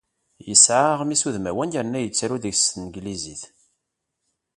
Yesɛa aɣmis udmawan yerna yettaru deg-s s tanglizit.